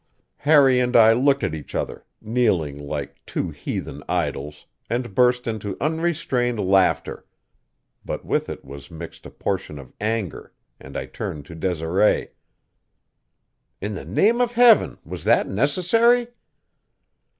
Harry and I looked at each other, kneeling like two heathen idols, and burst into unrestrained laughter. But with it was mixed a portion of anger, and I turned to Desiree. "In the name of Heaven, was that necessary?"